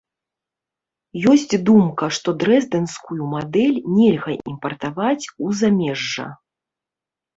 Ёсць думка, што дрэздэнскую мадэль нельга імпартаваць у замежжа.